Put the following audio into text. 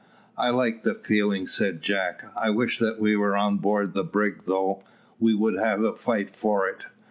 "I like the feeling," said Jack. "I wish that we were on board the brig though, we would have a fight for it.